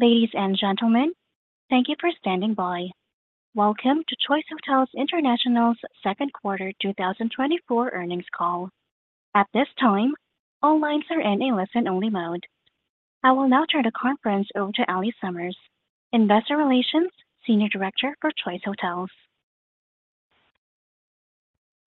Ladies and gentlemen, thank you for standing by. Welcome to Choice Hotels International's second quarter 2024 earnings call. At this time, all lines are in a listen-only mode. I will now turn the conference over to Allie Summers, Investor Relations Senior Director for Choice Hotels.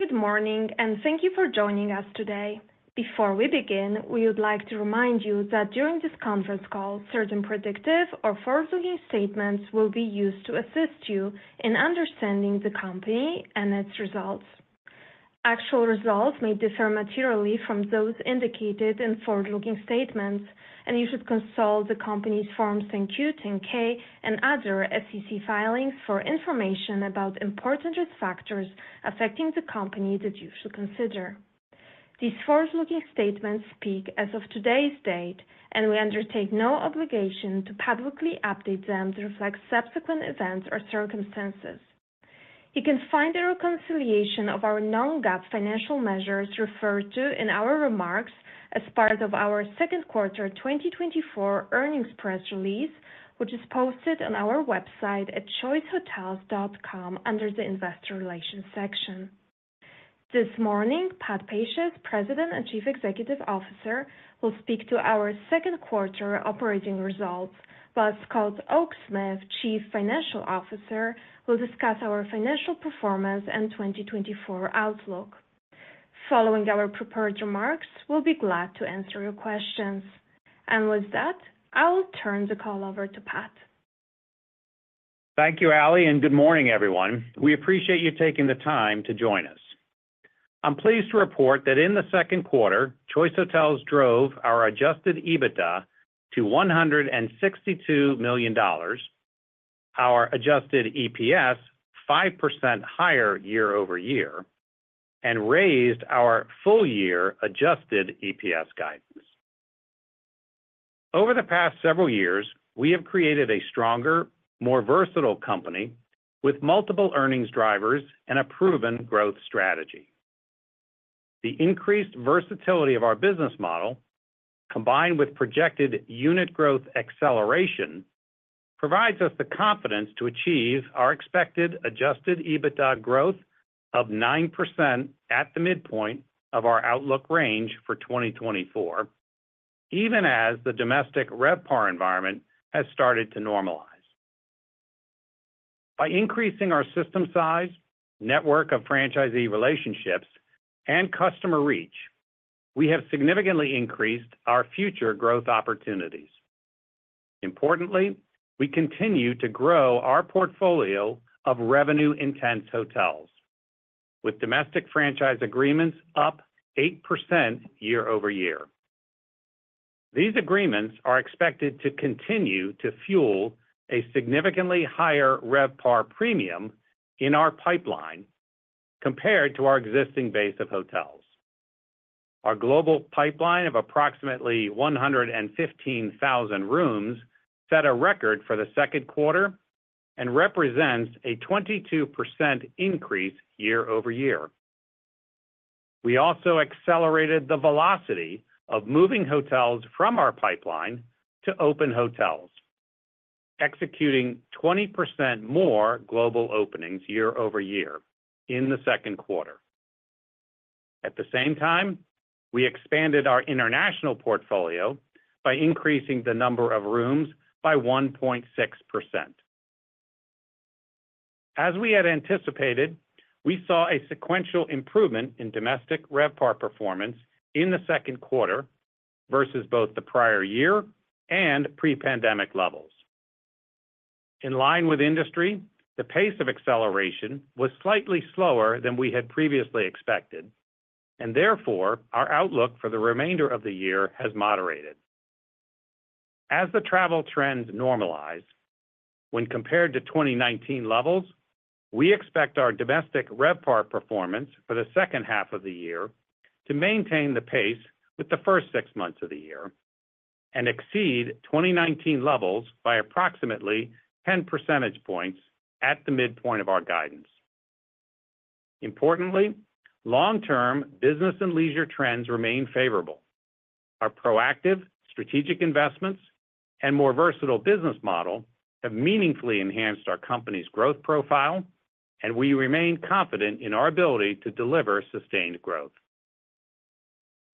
Good morning, and thank you for joining us today. Before we begin, we would like to remind you that during this conference call, certain predictive or forward-looking statements will be used to assist you in understanding the company and its results. Actual results may differ materially from those indicated in forward-looking statements, and you should consult the company's Forms 10-Q, 10-K, and other SEC filings for information about important risk factors affecting the company that you should consider. These forward-looking statements speak as of today's date, and we undertake no obligation to publicly update them to reflect subsequent events or circumstances. You can find the reconciliation of our non-GAAP financial measures referred to in our remarks as part of our second quarter 2024 earnings press release, which is posted on our website at choicehotels.com under the Investor Relations section. This morning, Pat Pacious, President and Chief Executive Officer, will speak to our second quarter operating results, while Scott Oaksmith, Chief Financial Officer, will discuss our financial performance and 2024 outlook. Following our prepared remarks, we'll be glad to answer your questions. With that, I will turn the call over to Pat. Thank you, Allie, and good morning, everyone. We appreciate you taking the time to join us. I'm pleased to report that in the second quarter, Choice Hotels drove our Adjusted EBITDA to $162 million, our Adjusted EPS 5% higher year-over-year, and raised our full-year Adjusted EPS guidance. Over the past several years, we have created a stronger, more versatile company with multiple earnings drivers and a proven growth strategy. The increased versatility of our business model, combined with projected unit growth acceleration, provides us the confidence to achieve our expected Adjusted EBITDA growth of 9% at the midpoint of our outlook range for 2024, even as the domestic RevPAR environment has started to normalize. By increasing our system size, network of franchisee relationships, and customer reach, we have significantly increased our future growth opportunities. Importantly, we continue to grow our portfolio of revenue-intense hotels, with domestic franchise agreements up 8% year-over-year. These agreements are expected to continue to fuel a significantly higher RevPAR premium in our pipeline compared to our existing base of hotels. Our global pipeline of approximately 115,000 rooms set a record for the second quarter and represents a 22% increase year-over-year. We also accelerated the velocity of moving hotels from our pipeline to open hotels, executing 20% more global openings year-over-year in the second quarter. At the same time, we expanded our international portfolio by increasing the number of rooms by 1.6%. As we had anticipated, we saw a sequential improvement in domestic RevPAR performance in the second quarter versus both the prior year and pre-pandemic levels. In line with industry, the pace of acceleration was slightly slower than we had previously expected, and therefore our outlook for the remainder of the year has moderated. As the travel trends normalize, when compared to 2019 levels, we expect our domestic RevPAR performance for the second half of the year to maintain the pace with the first six months of the year and exceed 2019 levels by approximately 10 percentage points at the midpoint of our guidance. Importantly, long-term business and leisure trends remain favorable. Our proactive, strategic investments and more versatile business model have meaningfully enhanced our company's growth profile, and we remain confident in our ability to deliver sustained growth.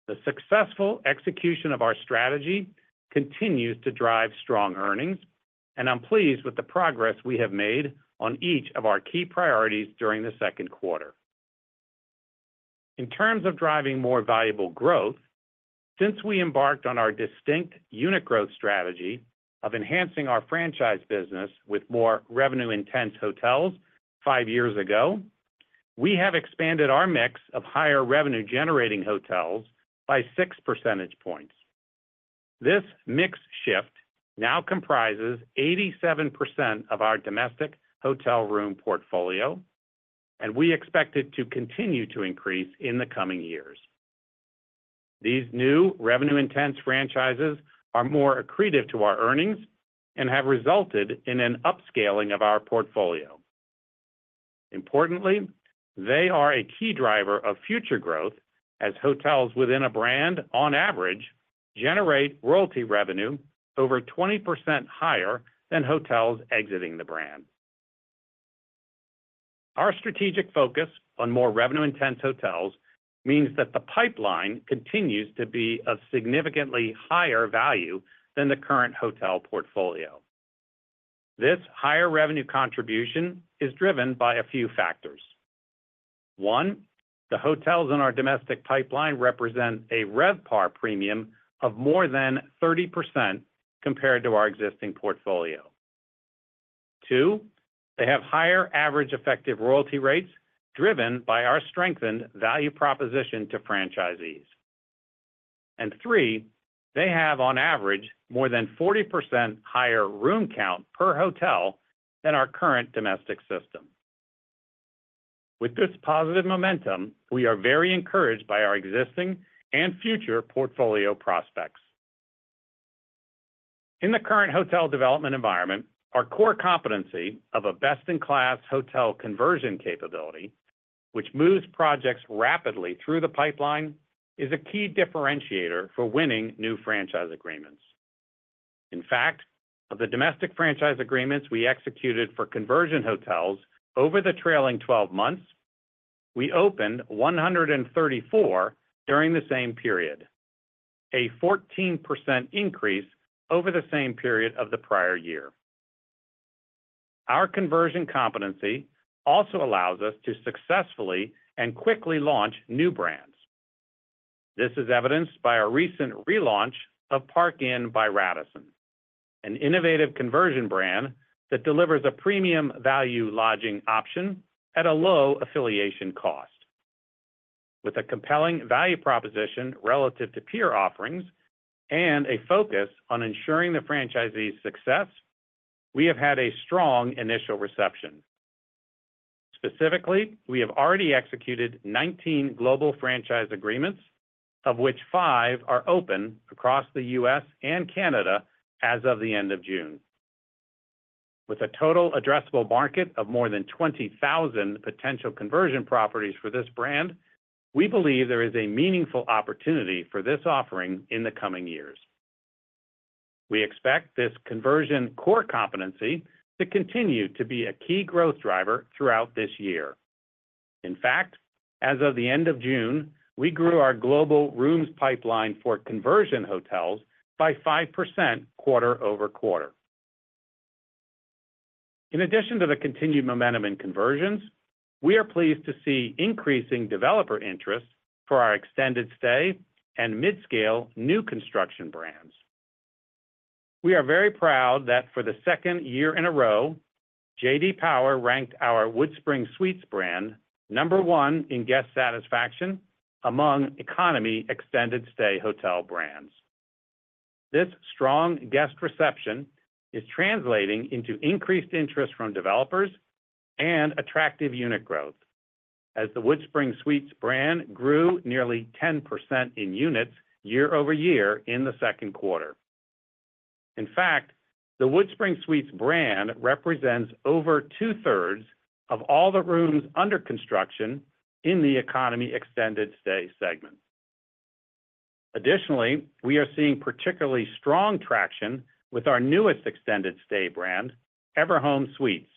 The successful execution of our strategy continues to drive strong earnings, and I'm pleased with the progress we have made on each of our key priorities during the second quarter. In terms of driving more valuable growth, since we embarked on our distinct unit growth strategy of enhancing our franchise business with more revenue-intense hotels five years ago, we have expanded our mix of higher revenue-generating hotels by 6 percentage points. This mix shift now comprises 87% of our domestic hotel room portfolio, and we expect it to continue to increase in the coming years. These new revenue-intense franchises are more accretive to our earnings and have resulted in an upscaling of our portfolio. Importantly, they are a key driver of future growth as hotels within a brand, on average, generate royalty revenue over 20% higher than hotels exiting the brand. Our strategic focus on more revenue-intense hotels means that the pipeline continues to be of significantly higher value than the current hotel portfolio. This higher revenue contribution is driven by a few factors. One, the hotels in our domestic pipeline represent a RevPAR premium of more than 30% compared to our existing portfolio. Two, they have higher average effective royalty rates driven by our strengthened value proposition to franchisees. And three, they have, on average, more than 40% higher room count per hotel than our current domestic system. With this positive momentum, we are very encouraged by our existing and future portfolio prospects. In the current hotel development environment, our core competency of a best-in-class hotel conversion capability, which moves projects rapidly through the pipeline, is a key differentiator for winning new franchise agreements. In fact, of the domestic franchise agreements we executed for conversion hotels over the trailing 12 months, we opened 134 during the same period, a 14% increase over the same period of the prior year. Our conversion competency also allows us to successfully and quickly launch new brands. This is evidenced by our recent relaunch of Park Inn by Radisson, an innovative conversion brand that delivers a premium value lodging option at a low affiliation cost. With a compelling value proposition relative to peer offerings and a focus on ensuring the franchisee's success, we have had a strong initial reception. Specifically, we have already executed 19 global franchise agreements, of which five are open across the U.S. and Canada as of the end of June. With a total addressable market of more than 20,000 potential conversion properties for this brand, we believe there is a meaningful opportunity for this offering in the coming years. We expect this conversion core competency to continue to be a key growth driver throughout this year. In fact, as of the end of June, we grew our global rooms pipeline for conversion hotels by 5% quarter-over-quarter. In addition to the continued momentum in conversions, we are pleased to see increasing developer interest for our extended stay and mid-scale new construction brands. We are very proud that for the second year in a row, J.D. Power ranked our WoodSpring Suites brand number one in guest satisfaction among economy extended stay hotel brands. This strong guest reception is translating into increased interest from developers and attractive unit growth, as the WoodSpring Suites brand grew nearly 10% in units year-over-year in the second quarter. In fact, the WoodSpring Suites brand represents over two-thirds of all the rooms under construction in the economy extended stay segment. Additionally, we are seeing particularly strong traction with our newest extended stay brand, Everhome Suites,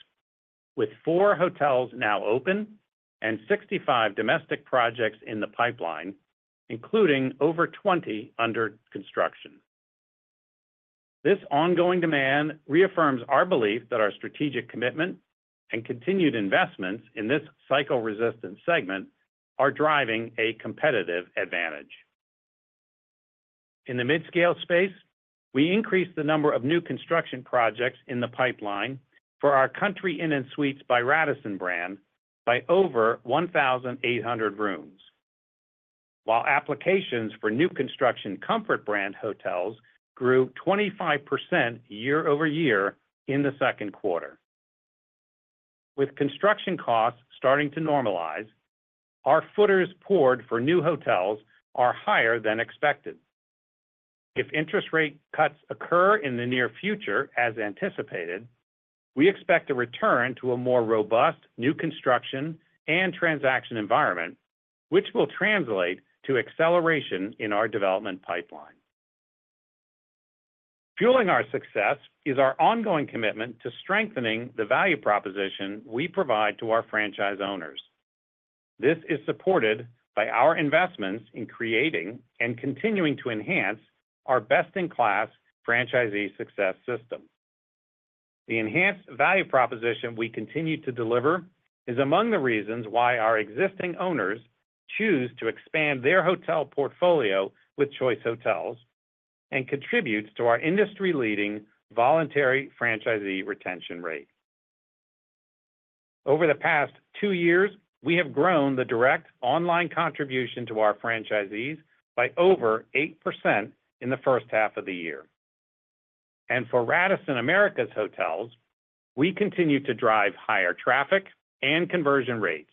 with four hotels now open and 65 domestic projects in the pipeline, including over 20 under construction. This ongoing demand reaffirms our belief that our strategic commitment and continued investments in this cycle-resistant segment are driving a competitive advantage. In the mid-scale space, we increased the number of new construction projects in the pipeline for our Country Inn & Suites by Radisson brand by over 1,800 rooms, while applications for new construction Comfort brand hotels grew 25% year-over-year in the second quarter. With construction costs starting to normalize, our footers poured for new hotels are higher than expected. If interest rate cuts occur in the near future, as anticipated, we expect a return to a more robust new construction and transaction environment, which will translate to acceleration in our development pipeline. Fueling our success is our ongoing commitment to strengthening the value proposition we provide to our franchise owners. This is supported by our investments in creating and continuing to enhance our best-in-class franchisee success system. The enhanced value proposition we continue to deliver is among the reasons why our existing owners choose to expand their hotel portfolio with Choice Hotels and contributes to our industry-leading voluntary franchisee retention rate. Over the past two years, we have grown the direct online contribution to our franchisees by over 8% in the first half of the year. For Radisson Americas' hotels, we continue to drive higher traffic and conversion rates,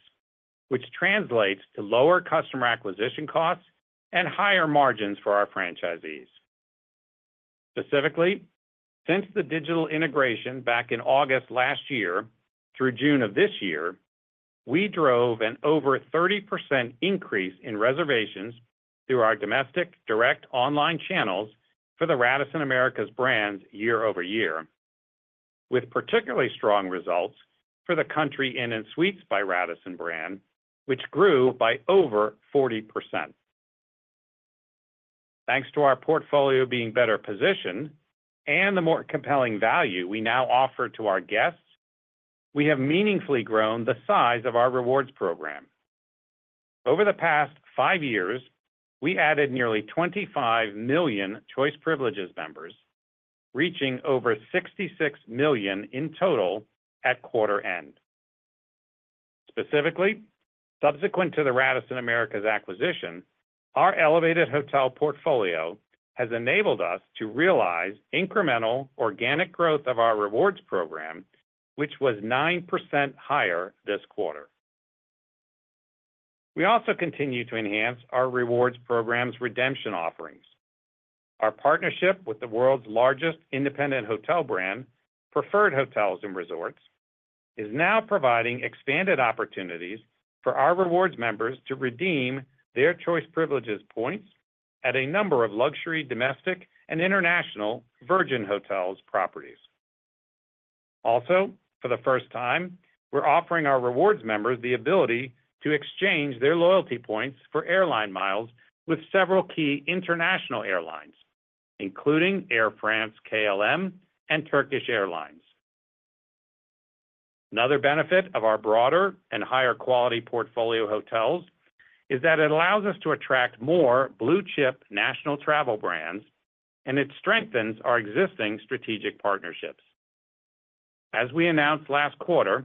which translates to lower customer acquisition costs and higher margins for our franchisees. Specifically, since the digital integration back in August last year through June of this year, we drove an over 30% increase in reservations through our domestic direct online channels for the Radisson Americas' brands year-over-year, with particularly strong results for the Country Inn & Suites by Radisson brand, which grew by over 40%. Thanks to our portfolio being better positioned and the more compelling value we now offer to our guests, we have meaningfully grown the size of our rewards program. Over the past five years, we added nearly 25 million Choice Privileges members, reaching over 66 million in total at quarter end. Specifically, subsequent to the Radisson Americas' acquisition, our elevated hotel portfolio has enabled us to realize incremental organic growth of our rewards program, which was 9% higher this quarter. We also continue to enhance our rewards program's redemption offerings. Our partnership with the world's largest independent hotel brand, Preferred Hotels & Resorts, is now providing expanded opportunities for our rewards members to redeem their Choice Privileges points at a number of luxury domestic and international Virgin Hotels properties. Also, for the first time, we're offering our rewards members the ability to exchange their loyalty points for airline miles with several key international airlines, including Air France-KLM and Turkish Airlines. Another benefit of our broader and higher quality portfolio hotels is that it allows us to attract more blue-chip national travel brands, and it strengthens our existing strategic partnerships. As we announced last quarter,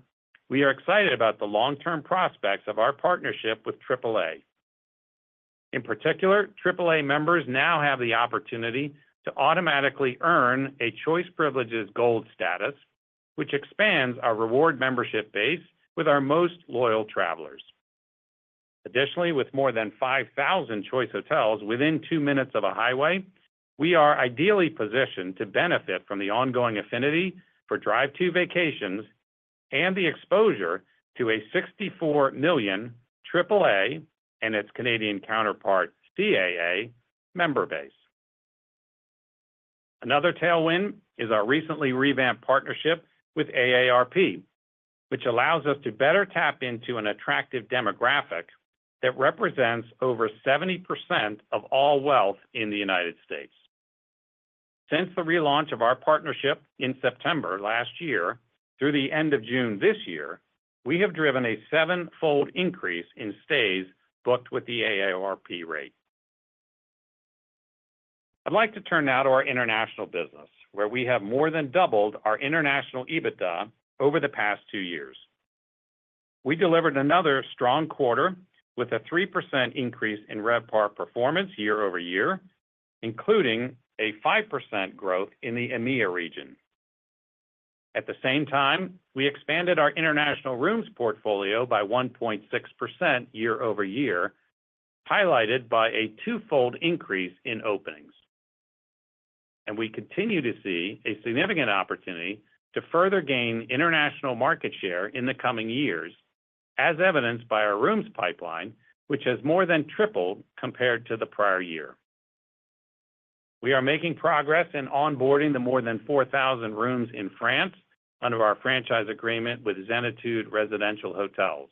we are excited about the long-term prospects of our partnership with AAA. In particular, AAA members now have the opportunity to automatically earn a Choice Privileges Gold status, which expands our reward membership base with our most loyal travelers. Additionally, with more than 5,000 Choice Hotels within two minutes of a highway, we are ideally positioned to benefit from the ongoing affinity for drive-through vacations and the exposure to a 64 million AAA and its Canadian counterpart, CAA, member base. Another tailwind is our recently revamped partnership with AARP, which allows us to better tap into an attractive demographic that represents over 70% of all wealth in the United States. Since the relaunch of our partnership in September last year through the end of June this year, we have driven a seven-fold increase in stays booked with the AARP rate. I'd like to turn now to our international business, where we have more than doubled our international EBITDA over the past two years. We delivered another strong quarter with a 3% increase in RevPAR performance year-over-year, including a 5% growth in the EMEA region. At the same time, we expanded our international rooms portfolio by 1.6% year-over-year, highlighted by a twofold increase in openings. We continue to see a significant opportunity to further gain international market share in the coming years, as evidenced by our rooms pipeline, which has more than tripled compared to the prior year. We are making progress in onboarding the more than 4,000 rooms in France under our franchise agreement with Zenitude Hôtel-Résidences.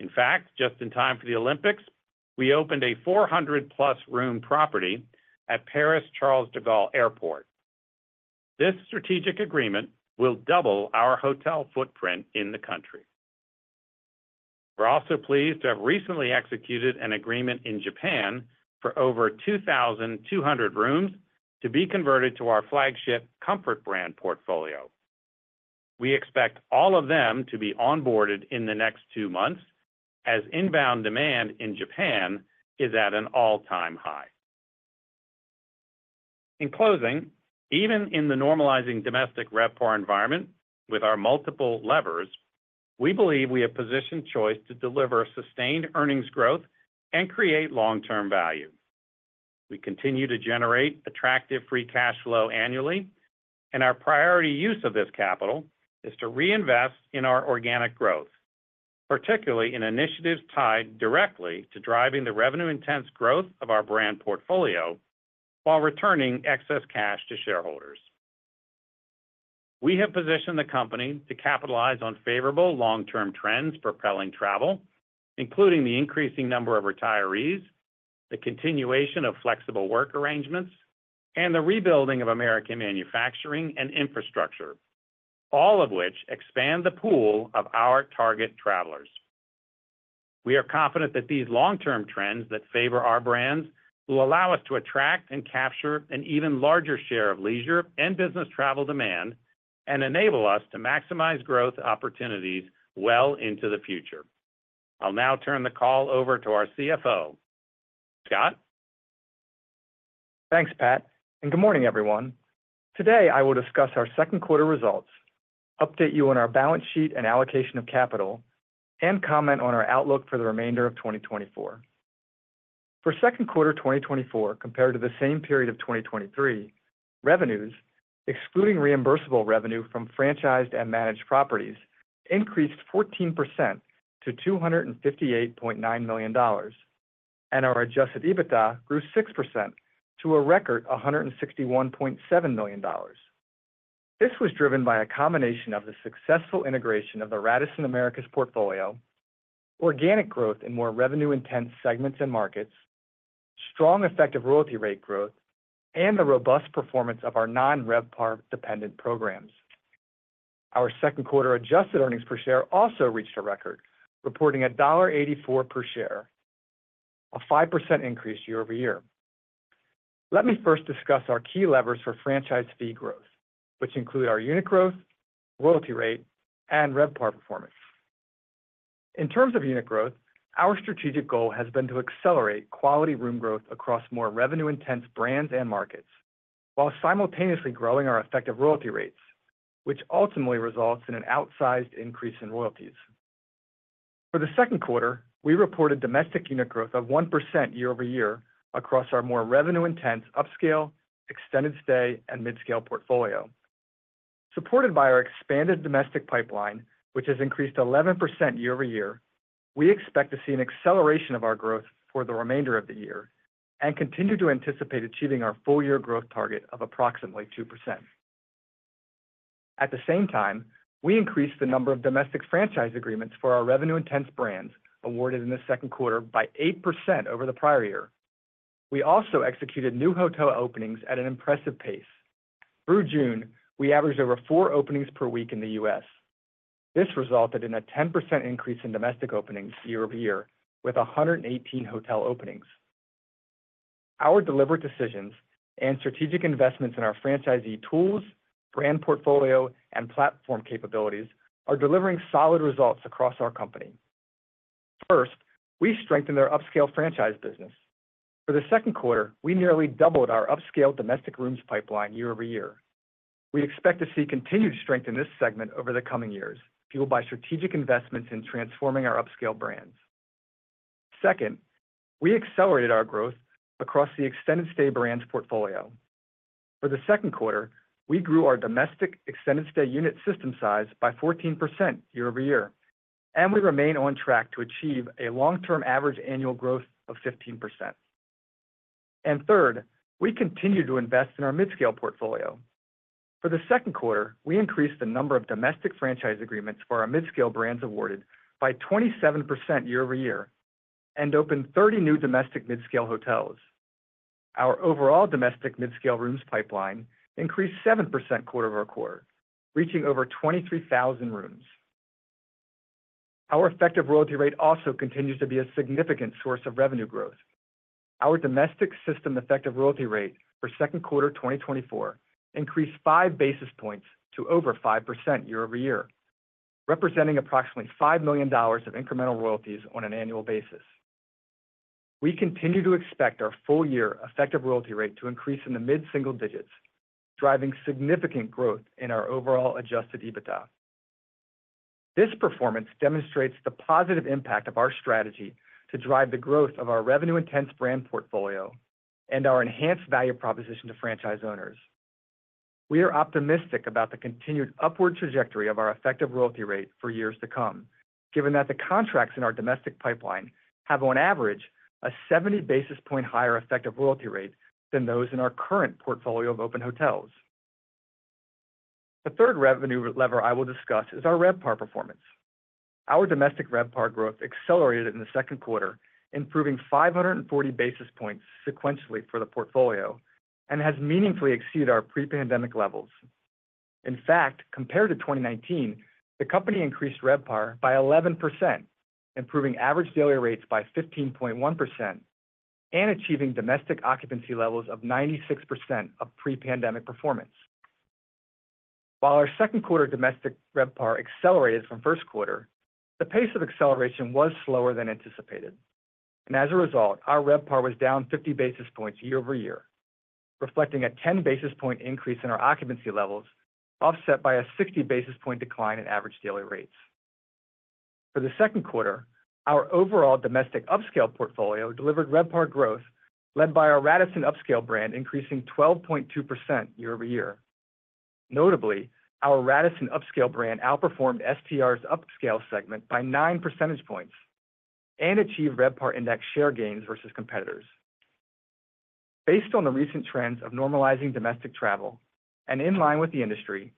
In fact, just in time for the Olympics, we opened a 400+ room property at Paris Charles de Gaulle Airport. This strategic agreement will double our hotel footprint in the country. We're also pleased to have recently executed an agreement in Japan for over 2,200 rooms to be converted to our flagship Comfort brand portfolio. We expect all of them to be onboarded in the next two months, as inbound demand in Japan is at an all-time high. In closing, even in the normalizing domestic RevPAR environment with our multiple levers, we believe we have positioned Choice to deliver sustained earnings growth and create long-term value. We continue to generate attractive free cash flow annually, and our priority use of this capital is to reinvest in our organic growth, particularly in initiatives tied directly to driving the revenue-intense growth of our brand portfolio while returning excess cash to shareholders. We have positioned the company to capitalize on favorable long-term trends propelling travel, including the increasing number of retirees, the continuation of flexible work arrangements, and the rebuilding of American manufacturing and infrastructure, all of which expand the pool of our target travelers. We are confident that these long-term trends that favor our brands will allow us to attract and capture an even larger share of leisure and business travel demand and enable us to maximize growth opportunities well into the future. I'll now turn the call over to our CFO, Scott. Thanks, Pat. Good morning, everyone. Today, I will discuss our second quarter results, update you on our balance sheet and allocation of capital, and comment on our outlook for the remainder of 2024. For second quarter 2024, compared to the same period of 2023, revenues, excluding reimbursable revenue from franchised and managed properties, increased 14% to $258.9 million, and our Adjusted EBITDA grew 6% to a record $161.7 million. This was driven by a combination of the successful integration of the Radisson Americas portfolio, organic growth in more revenue-intense segments and markets, strong effective royalty rate growth, and the robust performance of our non-RevPAR dependent programs. Our second quarter Adjusted Earnings Per Share also reached a record, reporting $1.84 per share, a 5% increase year-over-year. Let me first discuss our key levers for franchise fee growth, which include our unit growth, royalty rate, and RevPAR performance. In terms of unit growth, our strategic goal has been to accelerate quality room growth across more revenue-intense brands and markets while simultaneously growing our effective royalty rates, which ultimately results in an outsized increase in royalties. For the second quarter, we reported domestic unit growth of 1% year-over-year across our more revenue-intense upscale, extended stay, and mid-scale portfolio. Supported by our expanded domestic pipeline, which has increased 11% year-over-year, we expect to see an acceleration of our growth for the remainder of the year and continue to anticipate achieving our full-year growth target of approximately 2%. At the same time, we increased the number of domestic franchise agreements for our revenue-intense brands awarded in the second quarter by 8% over the prior year. We also executed new hotel openings at an impressive pace. Through June, we averaged over four openings per week in the U.S. This resulted in a 10% increase in domestic openings year-over-year with 118 hotel openings. Our deliberate decisions and strategic investments in our franchisee tools, brand portfolio, and platform capabilities are delivering solid results across our company. First, we strengthened our upscale franchise business. For the second quarter, we nearly doubled our upscale domestic rooms pipeline year-over-year. We expect to see continued strength in this segment over the coming years, fueled by strategic investments in transforming our upscale brands. Second, we accelerated our growth across the extended stay brands portfolio. For the second quarter, we grew our domestic extended stay unit system size by 14% year-over-year, and we remain on track to achieve a long-term average annual growth of 15%. Third, we continue to invest in our mid-scale portfolio. For the second quarter, we increased the number of domestic franchise agreements for our mid-scale brands awarded by 27% year-over-year and opened 30 new domestic mid-scale hotels. Our overall domestic mid-scale rooms pipeline increased 7% quarter-over-quarter, reaching over 23,000 rooms. Our effective royalty rate also continues to be a significant source of revenue growth. Our domestic system effective royalty rate for second quarter 2024 increased 5 basis points to over 5% year-over-year, representing approximately $5 million of incremental royalties on an annual basis. We continue to expect our full-year effective royalty rate to increase in the mid-single digits, driving significant growth in our overall Adjusted EBITDA. This performance demonstrates the positive impact of our strategy to drive the growth of our revenue-intense brand portfolio and our enhanced value proposition to franchise owners. We are optimistic about the continued upward trajectory of our effective royalty rate for years to come, given that the contracts in our domestic pipeline have, on average, a 70 basis points higher effective royalty rate than those in our current portfolio of open hotels. The third revenue lever I will discuss is our RevPAR performance. Our domestic RevPAR growth accelerated in the second quarter, improving 540 basis points sequentially for the portfolio and has meaningfully exceeded our pre-pandemic levels. In fact, compared to 2019, the company increased RevPAR by 11%, improving average daily rates by 15.1% and achieving domestic occupancy levels of 96% of pre-pandemic performance. While our second quarter domestic RevPAR accelerated from first quarter, the pace of acceleration was slower than anticipated. As a result, our RevPAR was down 50 basis points year-over-year, reflecting a 10 basis point increase in our occupancy levels, offset by a 60 basis point decline in average daily rates. For the second quarter, our overall domestic upscale portfolio delivered RevPAR growth, led by our Radisson upscale brand increasing 12.2% year-over-year. Notably, our Radisson upscale brand outperformed STR's upscale segment by 9 percentage points and achieved RevPAR index share gains versus competitors. Based on the recent trends of normalizing domestic travel and in line with the industry,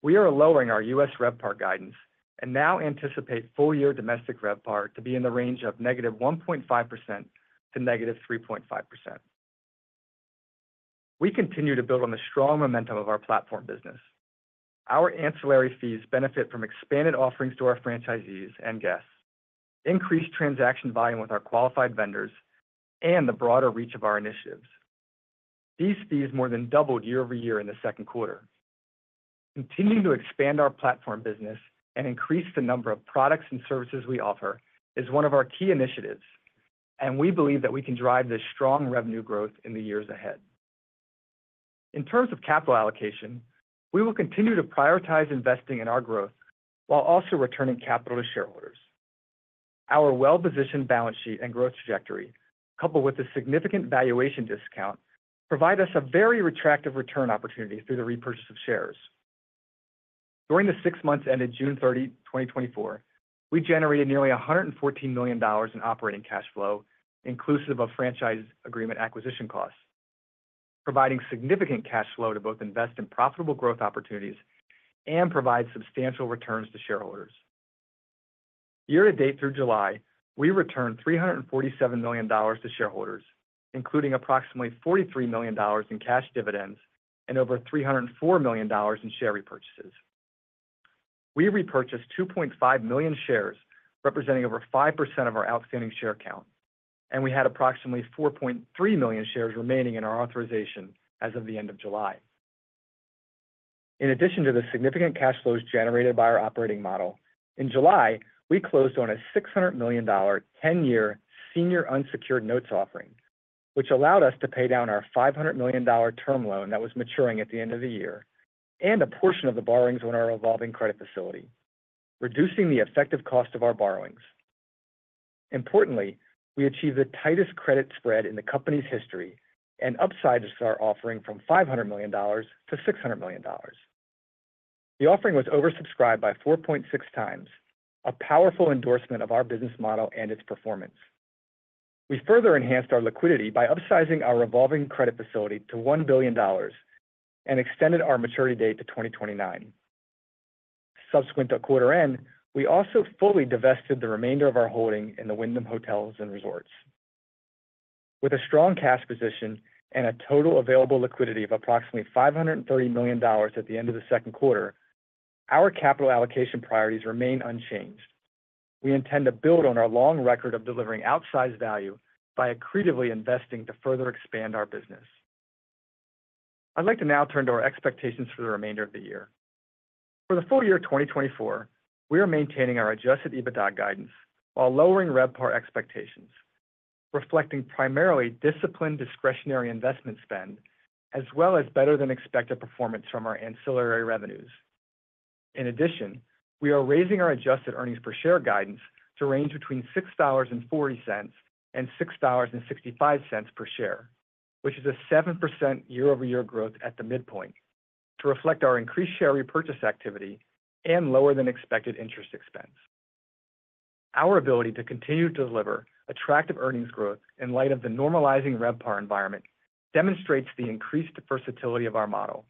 we are lowering our U.S. RevPAR guidance and now anticipate full-year domestic RevPAR to be in the range of -1.5% to -3.5%. We continue to build on the strong momentum of our platform business. Our ancillary fees benefit from expanded offerings to our franchisees and guests, increased transaction volume with our qualified vendors, and the broader reach of our initiatives. These fees more than doubled year-over-year in the second quarter. Continuing to expand our platform business and increase the number of products and services we offer is one of our key initiatives, and we believe that we can drive this strong revenue growth in the years ahead. In terms of capital allocation, we will continue to prioritize investing in our growth while also returning capital to shareholders. Our well-positioned balance sheet and growth trajectory, coupled with a significant valuation discount, provide us a very attractive return opportunity through the repurchase of shares. During the six months ended June 30, 2024, we generated nearly $114 million in operating cash flow, inclusive of franchise agreement acquisition costs, providing significant cash flow to both invest in profitable growth opportunities and provide substantial returns to shareholders. Year-to-date through July, we returned $347 million to shareholders, including approximately $43 million in cash dividends and over $304 million in share repurchases. We repurchased 2.5 million shares, representing over 5% of our outstanding share count, and we had approximately 4.3 million shares remaining in our authorization as of the end of July. In addition to the significant cash flows generated by our operating model, in July, we closed on a $600 million 10-year senior unsecured notes offering, which allowed us to pay down our $500 million term loan that was maturing at the end of the year and a portion of the borrowings on our revolving credit facility, reducing the effective cost of our borrowings. Importantly, we achieved the tightest credit spread in the company's history and upsized our offering from $500 million-$600 million. The offering was oversubscribed by 4.6x, a powerful endorsement of our business model and its performance. We further enhanced our liquidity by upsizing our revolving credit facility to $1 billion and extended our maturity date to 2029. Subsequent to quarter end, we also fully divested the remainder of our holding in the Wyndham Hotels & Resorts. With a strong cash position and a total available liquidity of approximately $530 million at the end of the second quarter, our capital allocation priorities remain unchanged. We intend to build on our long record of delivering outsized value by accretively investing to further expand our business. I'd like to now turn to our expectations for the remainder of the year. For the full year 2024, we are maintaining our Adjusted EBITDA guidance while lowering RevPAR expectations, reflecting primarily disciplined discretionary investment spend as well as better-than-expected performance from our ancillary revenues. In addition, we are raising our Adjusted Earnings Per Share Guidance to range between $6.40 and $6.65 per share, which is a 7% year-over-year growth at the midpoint, to reflect our increased share repurchase activity and lower-than-expected interest expense. Our ability to continue to deliver attractive earnings growth in light of the normalizing RevPAR environment demonstrates the increased versatility of our model.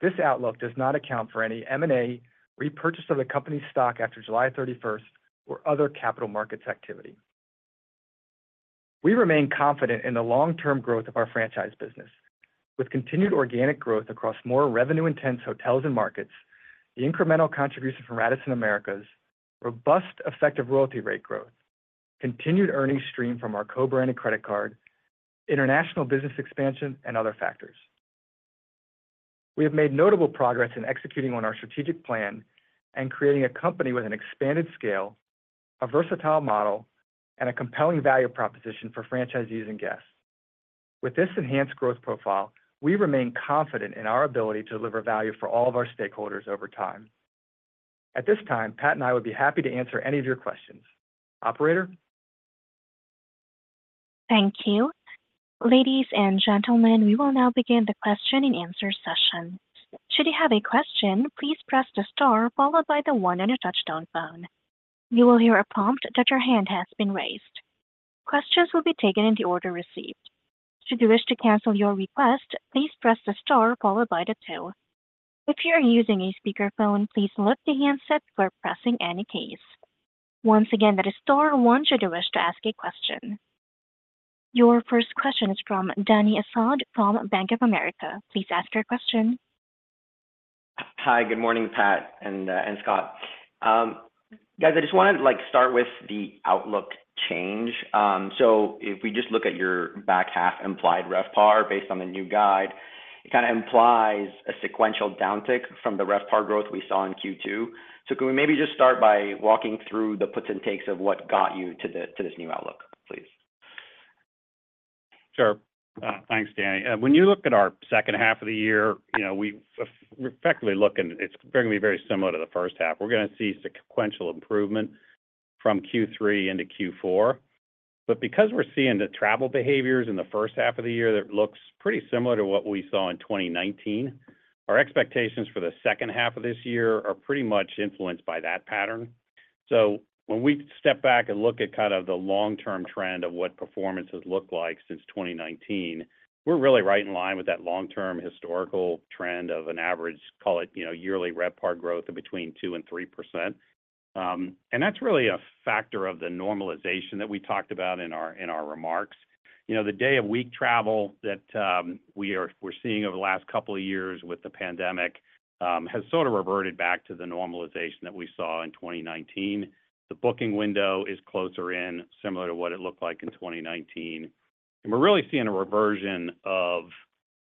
This outlook does not account for any M&A, repurchase of the company's stock after July 31, or other capital markets activity. We remain confident in the long-term growth of our franchise business, with continued organic growth across more revenue-intense hotels and markets, the incremental contribution from Radisson Americas, robust effective royalty rate growth, continued earnings stream from our Co-branded Credit Card, international business expansion, and other factors. We have made notable progress in executing on our strategic plan and creating a company with an expanded scale, a versatile model, and a compelling value proposition for franchisees and guests. With this enhanced growth profile, we remain confident in our ability to deliver value for all of our stakeholders over time. At this time, Pat and I would be happy to answer any of your questions. Operator? Thank you. Ladies and gentlemen, we will now begin the question and answer session. Should you have a question, please press the star followed by the one on your touch-tone phone. You will hear a prompt that your hand has been raised. Questions will be taken in the order received. Should you wish to cancel your request, please press the star followed by the two. If you are using a speakerphone, please lift the handset before pressing any keys. Once again, that is star one should you wish to ask a question. Your first question is from Dany Asad from Bank of America. Please ask your question. Hi, good morning, Pat and Scott. Guys, I just wanted to start with the outlook change. So if we just look at your back half implied RevPAR based on the new guide, it kind of implies a sequential downtick from the RevPAR growth we saw in Q2. So can we maybe just start by walking through the puts and takes of what got you to this new outlook, please? Sure. Thanks, Dany. When you look at our second half of the year, we effectively look and it's going to be very similar to the first half. We're going to see sequential improvement from Q3 into Q4. But because we're seeing the travel behaviors in the first half of the year that looks pretty similar to what we saw in 2019, our expectations for the second half of this year are pretty much influenced by that pattern. So when we step back and look at kind of the long-term trend of what performance has looked like since 2019, we're really right in line with that long-term historical trend of an average, call it yearly RevPAR growth of between 2% and 3%. And that's really a factor of the normalization that we talked about in our remarks. The day-of-week travel that we're seeing over the last couple of years with the pandemic has sort of reverted back to the normalization that we saw in 2019. The booking window is closer in, similar to what it looked like in 2019. And we're really seeing a reversion of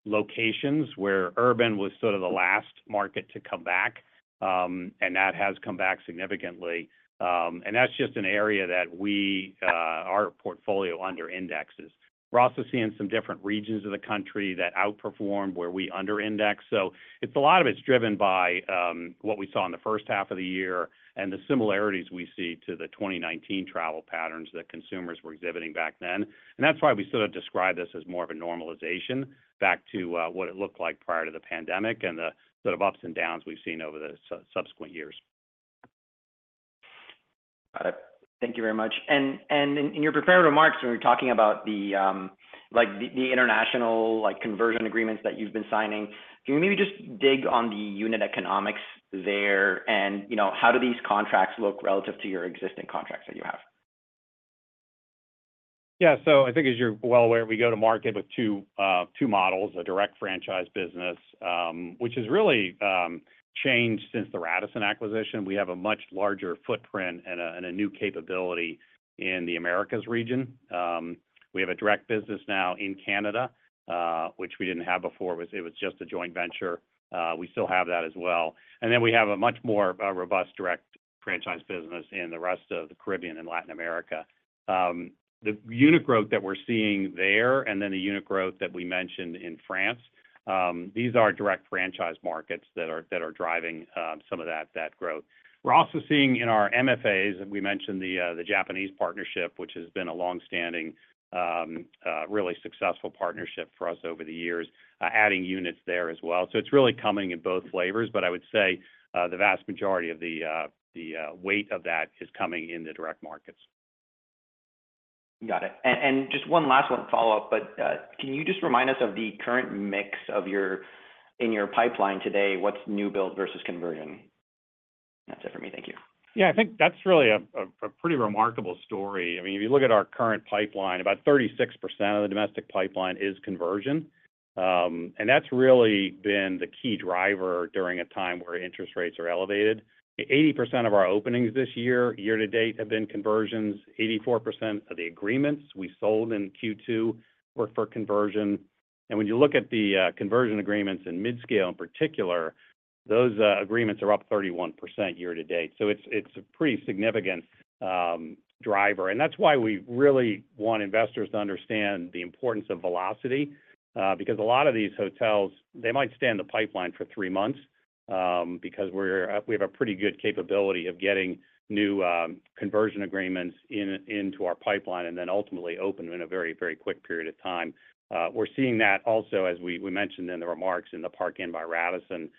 locations where urban was sort of the last market to come back, and that has come back significantly. And that's just an area that our portfolio under-indexes. We're also seeing some different regions of the country that outperformed where we under-indexed. So a lot of it's driven by what we saw in the first half of the year and the similarities we see to the 2019 travel patterns that consumers were exhibiting back then. And that's why we sort of describe this as more of a normalization back to what it looked like prior to the pandemic and the sort of ups and downs we've seen over the subsequent years. Got it. Thank you very much. And in your prepared remarks, when we're talking about the international conversion agreements that you've been signing, can we maybe just dig on the unit economics there and how do these contracts look relative to your existing contracts that you have? Yeah. So I think, as you're well aware, we go to market with two models, a direct franchise business, which has really changed since the Radisson acquisition. We have a much larger footprint and a new capability in the Americas region. We have a direct business now in Canada, which we didn't have before. It was just a joint venture. We still have that as well. And then we have a much more robust direct franchise business in the rest of the Caribbean and Latin America. The unit growth that we're seeing there and then the unit growth that we mentioned in France, these are direct franchise markets that are driving some of that growth. We're also seeing in our MFAs, we mentioned the Japanese partnership, which has been a long-standing, really successful partnership for us over the years, adding units there as well. So it's really coming in both flavors, but I would say the vast majority of the weight of that is coming in the direct markets. Got it. And just one last one to follow up, but can you just remind us of the current mix in your pipeline today? What's new build versus conversion? That's it for me. Thank you. Yeah. I think that's really a pretty remarkable story. I mean, if you look at our current pipeline, about 36% of the domestic pipeline is conversion. And that's really been the key driver during a time where interest rates are elevated. 80% of our openings this year, year-to-date, have been conversions. 84% of the agreements we sold in Q2 were for conversion. And when you look at the conversion agreements in mid-scale in particular, those agreements are up 31% year-to-date. So it's a pretty significant driver. And that's why we really want investors to understand the importance of velocity because a lot of these hotels, they might stay in the pipeline for three months because we have a pretty good capability of getting new conversion agreements into our pipeline and then ultimately open in a very, very quick period of time. We're seeing that also, as we mentioned in the remarks in the Park Inn by Radisson,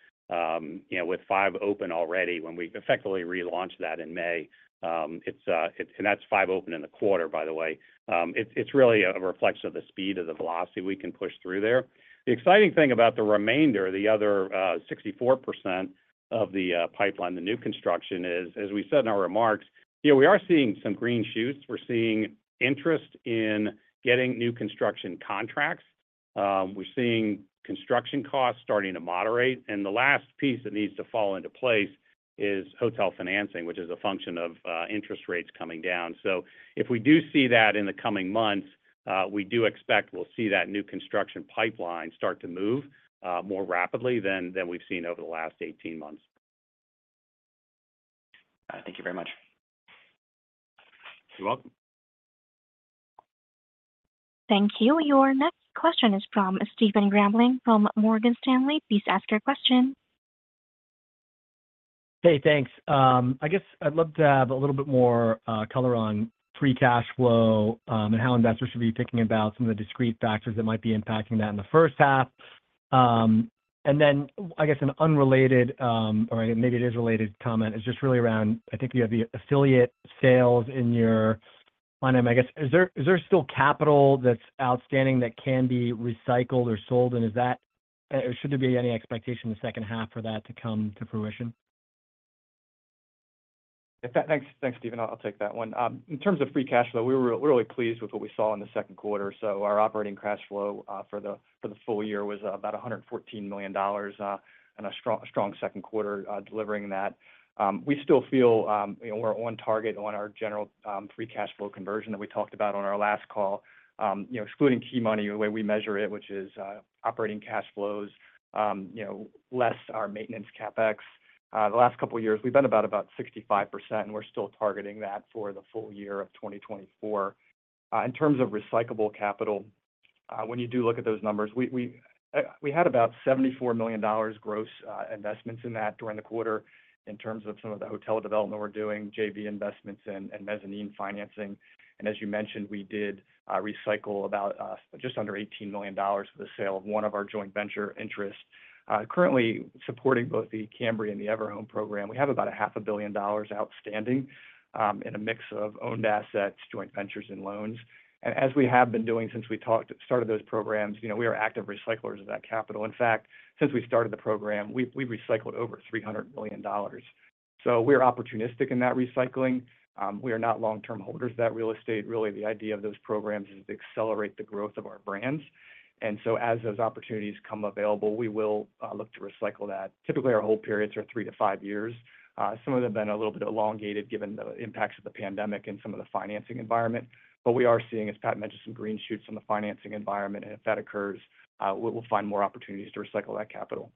with 5 open already when we effectively relaunched that in May. And that's five open in the quarter, by the way. It's really a reflection of the speed of the velocity we can push through there. The exciting thing about the remainder, the other 64% of the pipeline, the new construction, is, as we said in our remarks, we are seeing some green shoots. We're seeing interest in getting new construction contracts. We're seeing construction costs starting to moderate. And the last piece that needs to fall into place is hotel financing, which is a function of interest rates coming down. So if we do see that in the coming months, we do expect we'll see that new construction pipeline start to move more rapidly than we've seen over the last 18 months. Thank you very much. You're welcome. Thank you. Your next question is from Stephen Grambling from Morgan Stanley. Please ask your question. Hey, thanks. I guess I'd love to have a little bit more color on pre-cash flow and how investors should be thinking about some of the discrete factors that might be impacting that in the first half. And then, I guess, an unrelated, or maybe it is related comment, is just really around, I think you have the affiliate sales in your fund. I guess, is there still capital that's outstanding that can be recycled or sold? And should there be any expectation in the second half for that to come to fruition? Thanks, Stephen. I'll take that one. In terms of free cash flow, we were really pleased with what we saw in the second quarter. Our operating cash flow for the full year was about $114 million and a strong second quarter delivering that. We still feel we're on target on our general free cash flow conversion that we talked about on our last call, excluding key money the way we measure it, which is operating cash flows less our maintenance CapEx. The last couple of years, we've been about 65%, and we're still targeting that for the full year of 2024. In terms of recyclable capital, when you do look at those numbers, we had about $74 million gross investments in that during the quarter in terms of some of the hotel development we're doing, JV investments, and mezzanine financing. As you mentioned, we did recycle about just under $18 million with the sale of one of our joint venture interests. Currently supporting both the Cambria and the Everhome program, we have about $500 million outstanding in a mix of owned assets, joint ventures, and loans. As we have been doing since we started those programs, we are active recyclers of that capital. In fact, since we started the program, we've recycled over $300 million. We are opportunistic in that recycling. We are not long-term holders of that real estate. Really, the idea of those programs is to accelerate the growth of our brands. So as those opportunities come available, we will look to recycle that. Typically, our hold periods are three to five years. Some of them have been a little bit elongated given the impacts of the pandemic and some of the financing environment. But we are seeing, as Pat mentioned, some green shoots in the financing environment. And if that occurs, we will find more opportunities to recycle that capital.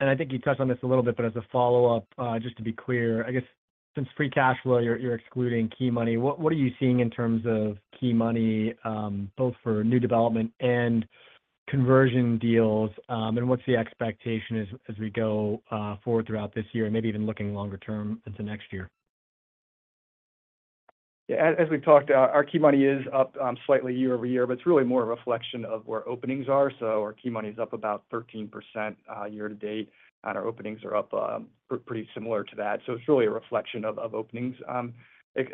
And I think you touched on this a little bit, but as a follow-up, just to be clear, I guess, since free cash flow, you're excluding key money. What are you seeing in terms of key money, both for new development and conversion deals? And what's the expectation as we go forward throughout this year and maybe even looking longer term into next year? Yeah. As we've talked, our key money is up slightly year-over-year, but it's really more a reflection of where openings are. So our key money is up about 13% year-to-date, and our openings are up pretty similar to that. So it's really a reflection of openings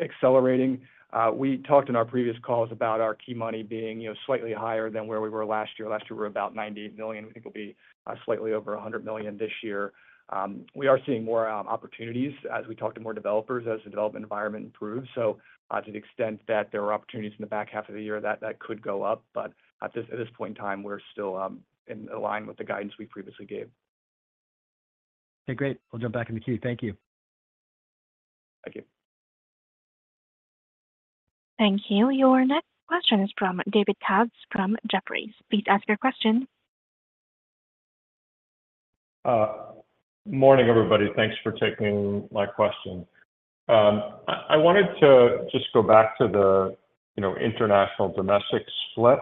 accelerating. We talked in our previous calls about our key money being slightly higher than where we were last year. Last year, we were about $98 million. We think we'll be slightly over $100 million this year. We are seeing more opportunities as we talk to more developers as the development environment improves. So to the extent that there are opportunities in the back half of the year, that could go up. But at this point in time, we're still in line with the guidance we previously gave. Okay. Great. We'll jump back in the queue. Thank you. Thank you. Thank you. Your next question is from David Katz from Jefferies. Please ask your question. Morning, everybody. Thanks for taking my question. I wanted to just go back to the international domestic split.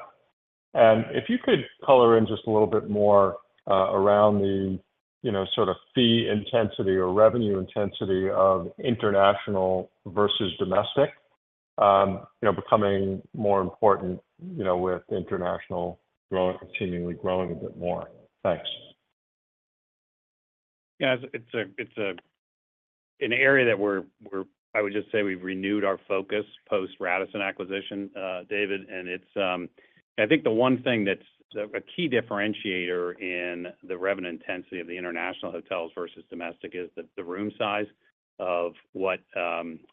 And if you could color in just a little bit more around the sort of fee intensity or revenue intensity of international versus domestic becoming more important with international seemingly growing a bit more. Thanks. Yeah. It's an area that I would just say we've renewed our focus post-Radisson acquisition, David. And I think the one thing that's a key differentiator in the revenue intensity of the international hotels versus domestic is the room size of what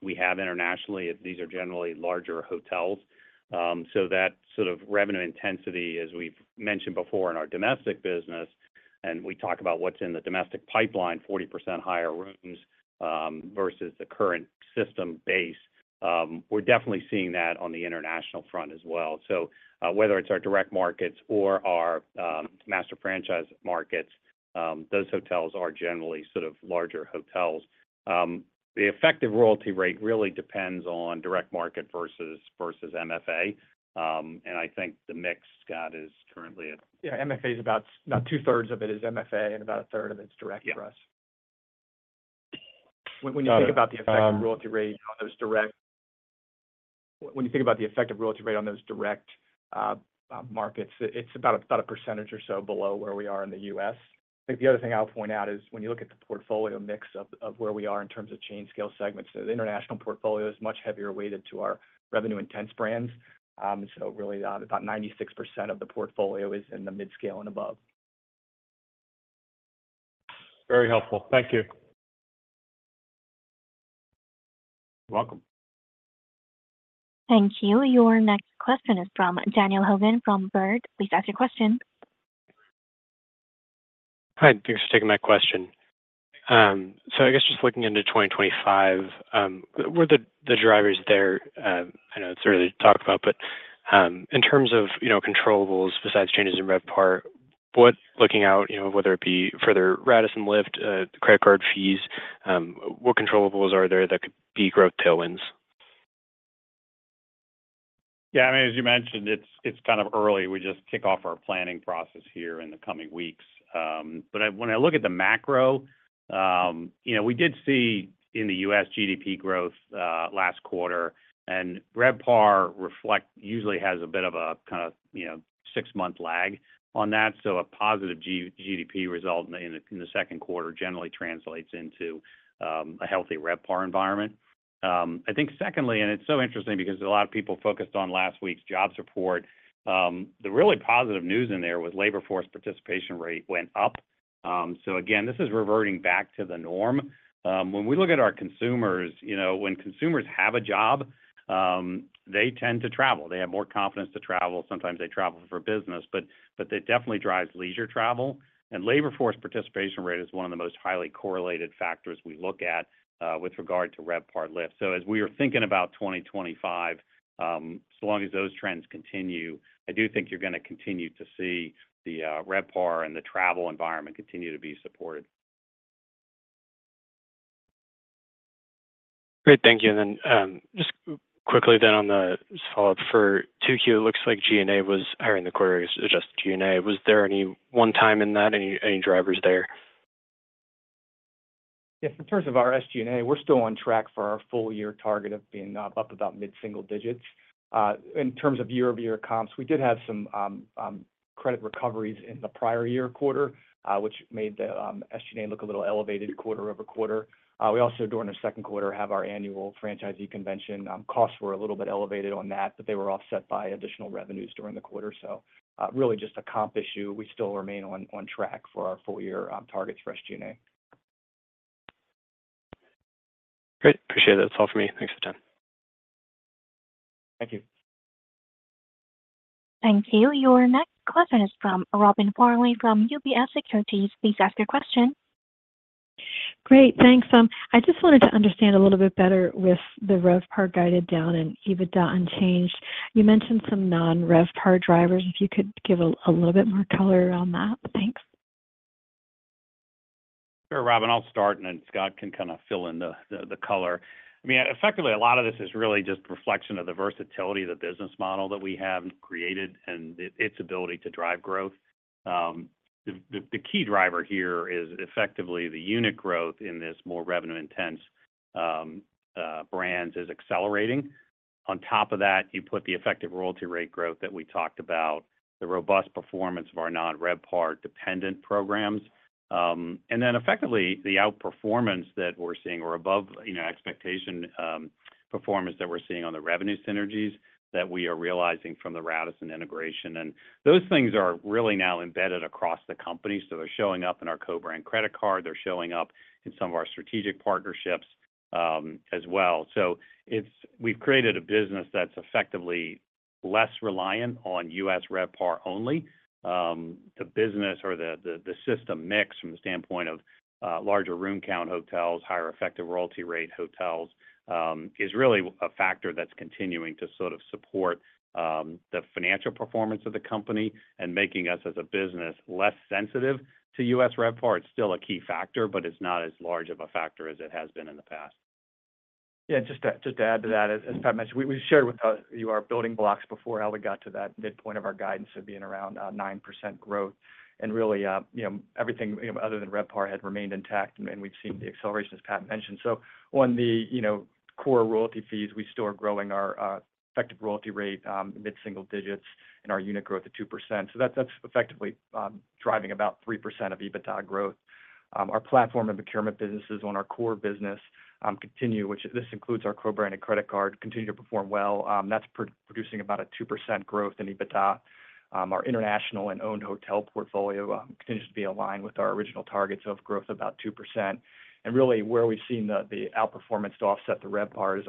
we have internationally. These are generally larger hotels. So that sort of revenue intensity, as we've mentioned before in our domestic business, and we talk about what's in the domestic pipeline, 40% higher rooms versus the current system base, we're definitely seeing that on the international front as well. So whether it's our direct markets or our master franchise markets, those hotels are generally sort of larger hotels. The effective royalty rate really depends on direct market versus MFA. And I think the mix, Scott, is currently at. Yeah. MFA is about now two-thirds of it is MFA and about a third of it's direct for us. When you think about the effective royalty rate on those direct when you think about the effective royalty rate on those direct markets, it's about a percentage or so below where we are in the U.S. I think the other thing I'll point out is when you look at the portfolio mix of where we are in terms of chain scale segments, the international portfolio is much heavier weighted to our revenue-intense brands. And so really, about 96% of the portfolio is in the mid-scale and above. Very helpful. Thank you. You're welcome. Thank you. Your next question is from Daniel Hogan from Baird. Please ask your question. Hi. Thanks for taking my question. So I guess just looking into 2025, where the drivers there, I know it's early to talk about, but in terms of controllables, besides changes in RevPAR, what looking out, whether it be for the Radisson Lift, credit card fees, what controllable are there that could be growth tailwinds? Yeah. I mean, as you mentioned, it's kind of early. We just kick off our planning process here in the coming weeks. When I look at the macro, we did see in the U.S. GDP growth last quarter. RevPAR usually has a bit of a kind of six-month lag on that. A positive GDP result in the second quarter generally translates into a healthy RevPAR environment. I think secondly, and it's so interesting because a lot of people focused on last week's jobs report, the really positive news in there was labor force participation rate went up. Again, this is reverting back to the norm. When we look at our consumers, when consumers have a job, they tend to travel. They have more confidence to travel. Sometimes they travel for business. That definitely drives leisure travel. Labor force participation rate is one of the most highly correlated factors we look at with regard to RevPAR lift. So as we are thinking about 2025, so long as those trends continue, I do think you're going to continue to see the RevPAR and the travel environment continue to be supported. Great. Thank you. And then just quickly then on the follow-up for 2Q, it looks like G&A was higher in the quarter-aggressive G&A. Was there any one-time in that, any drivers there? Yes. In terms of our SG&A, we're still on track for our full-year target of being up about mid-single digits. In terms of year-over-year comps, we did have some credit recoveries in the prior year quarter, which made the SG&A look a little elevated quarter-over-quarter. We also, during our second quarter, have our annual franchisee convention. Costs were a little bit elevated on that, but they were offset by additional revenues during the quarter. So really just a comp issue. We still remain on track for our full-year targets for SG&A. Great. Appreciate it. That's all for me. Thanks for the time. Thank you. Thank you. Your next question is from Robin Farley from UBS Securities. Please ask your question. Great. Thanks. I just wanted to understand a little bit better with the RevPAR guided down and EBITDA unchanged. You mentioned some non-RevPAR drivers. If you could give a little bit more color around that. Thanks. Sure, Robin. I'll start, and then Scott can kind of fill in the color. I mean, effectively, a lot of this is really just a reflection of the versatility of the business model that we have created and its ability to drive growth. The key driver here is effectively the unit growth in these more revenue-intense brands is accelerating. On top of that, you put the effective royalty rate growth that we talked about, the robust performance of our non-RevPAR dependent programs, and then effectively the outperformance that we're seeing or above expectation performance that we're seeing on the revenue synergies that we are realizing from the Radisson integration. And those things are really now embedded across the company. So they're showing up in our co-brand credit card. They're showing up in some of our strategic partnerships as well. So we've created a business that's effectively less reliant on U.S. RevPAR only. The business or the system mix from the standpoint of larger room count hotels, higher effective royalty rate hotels is really a factor that's continuing to sort of support the financial performance of the company and making us as a business less sensitive to U.S. RevPAR. It's still a key factor, but it's not as large of a factor as it has been in the past. Yeah. Just to add to that, as Pat mentioned, we shared with you our building blocks before how we got to that midpoint of our guidance of being around 9% growth. Really, everything other than RevPAR had remained intact, and we've seen the acceleration, as Pat mentioned. So on the core royalty fees, we still are growing our effective royalty rate mid-single digits and our unit growth to 2%. So that's effectively driving about 3% of EBITDA growth. Our platform and procurement businesses on our core business continue, which this includes our co-branded credit card, continue to perform well. That's producing about a 2% growth in EBITDA. Our international and owned hotel portfolio continues to be aligned with our original targets of growth of about 2%. Really, where we've seen the outperformance to offset the RevPAR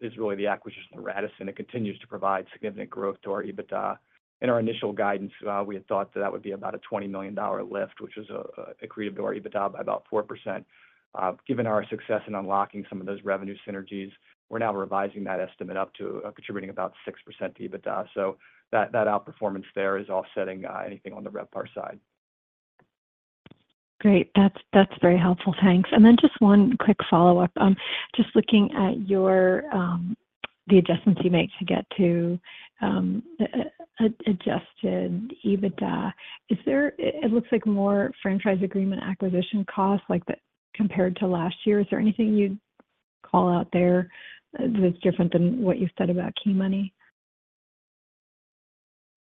is really the acquisition of Radisson. It continues to provide significant growth to our EBITDA. In our initial guidance, we had thought that that would be about a $20 million lift, which has accreted to our EBITDA by about 4%. Given our success in unlocking some of those revenue synergies, we're now revising that estimate up to contributing about 6% to EBITDA. So that outperformance there is offsetting anything on the RevPAR side. Great. That's very helpful. Thanks. Then just one quick follow-up. Just looking at the adjustments you make to get to Adjusted EBITDA, it looks like more franchise agreement acquisition costs compared to last year. Is there anything you'd call out there that's different than what you said about key money?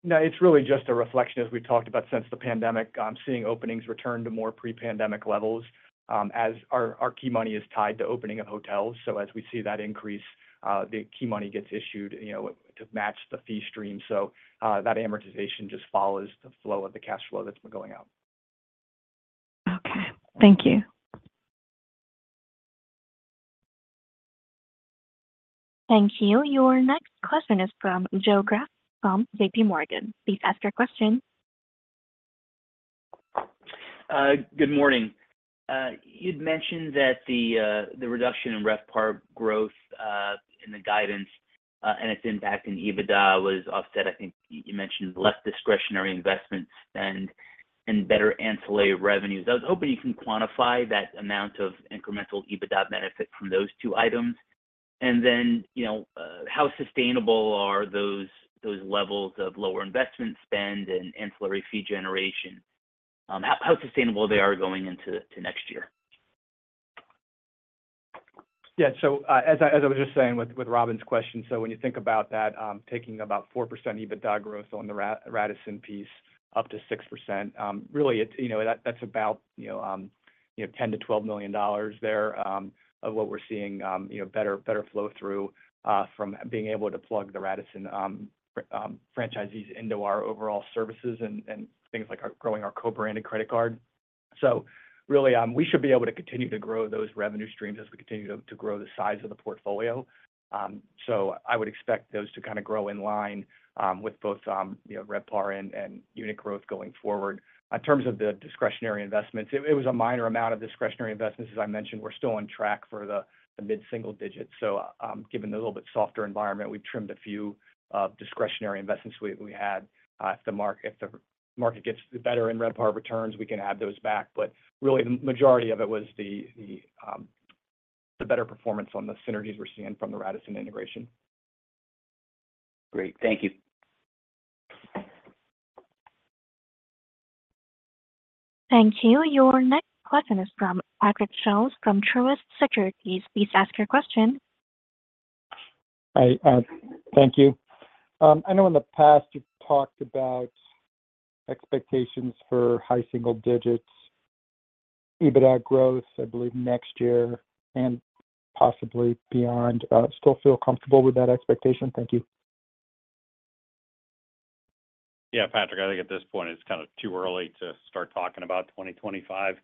No. It's really just a reflection, as we talked about since the pandemic, seeing openings return to more pre-pandemic levels as our key money is tied to opening of hotels. So as we see that increase, the key money gets issued to match the fee stream. So that amortization just follows the flow of the cash flow that's been going out. Okay. Thank you. Thank you. Your next question is from Joe Greff from J.P. Morgan. Please ask your question. Good morning. You'd mentioned that the reduction in RevPAR growth in the guidance and its impact in EBITDA was offset. I think you mentioned less discretionary investments and better ancillary revenues. I was hoping you can quantify that amount of incremental EBITDA benefit from those two items. And then how sustainable are those levels of lower investment spend and ancillary fee generation? How sustainable they are going into next year? Yeah. So as I was just saying with Robin's question, so when you think about that, talking about 4% EBITDA growth on the Radisson piece up to 6%, really, that's about $10 million-$12 million there of what we're seeing better flow through from being able to plug the Radisson franchisees into our overall services and things like growing our co-branded credit card. So really, we should be able to continue to grow those revenue streams as we continue to grow the size of the portfolio. So I would expect those to kind of grow in line with both RevPAR and unit growth going forward. In terms of the discretionary investments, it was a minor amount of discretionary investments. As I mentioned, we're still on track for the mid-single digits. So given the little bit softer environment, we've trimmed a few discretionary investments we had. If the market gets better in RevPAR returns, we can add those back. But really, the majority of it was the better performance on the synergies we're seeing from the Radisson integration. Great. Thank you. Thank you. Your next question is from Patrick Scholes from Truist Securities. Please ask your question. Hi. Thank you. I know in the past you've talked about expectations for high single digits EBITDA growth, I believe, next year and possibly beyond. Still feel comfortable with that expectation? Thank you. Yeah. Patrick, I think at this point, it's kind of too early to start talking about 2025.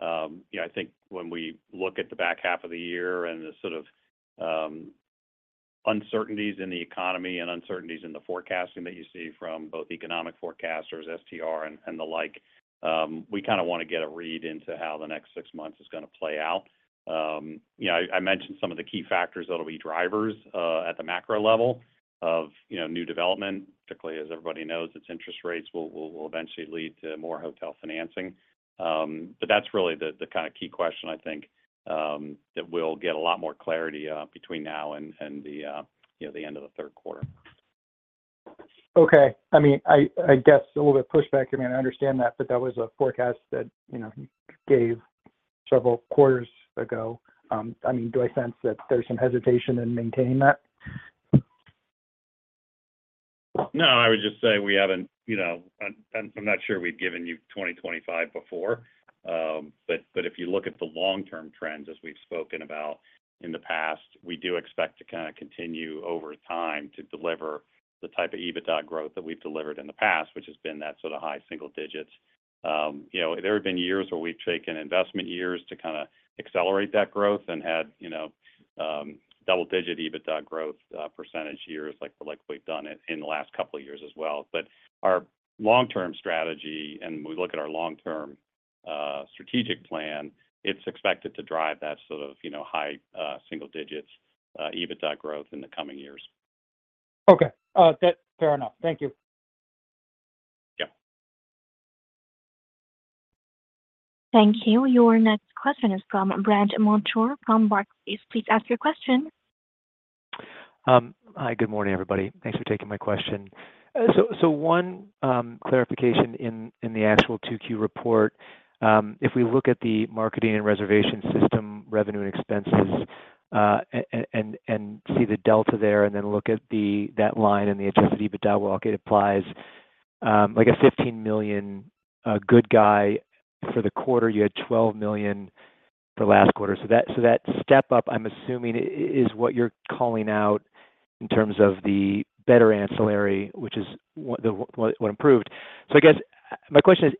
I think when we look at the back half of the year and the sort of uncertainties in the economy and uncertainties in the forecasting that you see from both economic forecasters STR and the like, we kind of want to get a read into how the next six months is going to play out. I mentioned some of the key factors that will be drivers at the macro level of new development. Particularly, as everybody knows, it's interest rates will eventually lead to more hotel financing. But that's really the kind of key question, I think, that we'll get a lot more clarity between now and the end of the third quarter. Okay. I mean, I guess a little bit of pushback. I mean, I understand that, but that was a forecast that you gave several quarters ago. I mean, do I sense that there's some hesitation in maintaining that? No. I would just say we haven't. I'm not sure we've given you 2025 before. But if you look at the long-term trends, as we've spoken about in the past, we do expect to kind of continue over time to deliver the type of EBITDA growth that we've delivered in the past, which has been that sort of high single digits. There have been years where we've taken investment years to kind of accelerate that growth and had double-digit EBITDA growth percentage years like we've done in the last couple of years as well. But our long-term strategy, and when we look at our long-term strategic plan, it's expected to drive that sort of high single digits EBITDA growth in the coming years. Okay. Fair enough. Thank you. Yeah. Thank you. Your next question is from Brandt Montour from Barclays. Please ask your question. Hi. Good morning, everybody. Thanks for taking my question. So one clarification in the actual 2Q report. If we look at the marketing and reservation system revenue and expenses and see the delta there and then look at that line and the Adjusted EBITDA, well, it applies like a $15 million goodwill for the quarter. You had $12 million for last quarter. So that step up, I'm assuming, is what you're calling out in terms of the better ancillary, which is what improved. So I guess my question